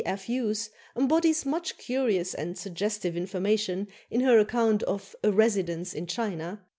F. Hughes embodies much curious and suggestive information in her account of a "Residence in China."